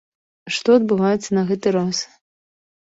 Што адбываецца на гэты раз?